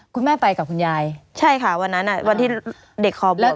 คุณแม่ไปกับคุณยายใช่ค่ะวันนั้นอ่ะวันที่เด็กขอบวช